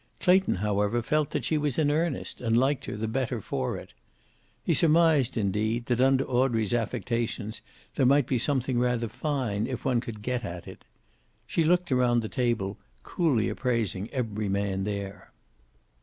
Clayton, however, felt that she was in earnest and liked her the better for it. He surmised, indeed, that under Audrey's affectations there might be something rather fine if one could get at it. She looked around the table, coolly appraising every man there.